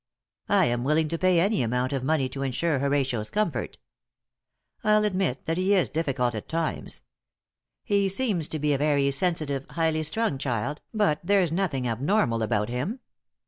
I am willing to pay any amount of money to insure Horatio's comfort. I'll admit that he is difficult at times. He seems to be a very sensitive, highly strung child, but there's nothing abnormal about him.